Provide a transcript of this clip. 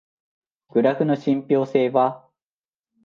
グラフの信憑性は？